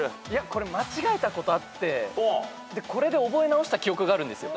これ間違えたことあってこれで覚え直した記憶があるんですよ。